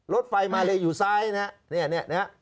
รถไฟมาเลอยู่ซ้ายนะครับ